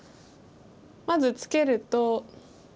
まずツケると。